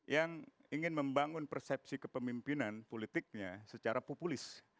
yang ingin membangun persepsi kepemimpinan politiknya secara populis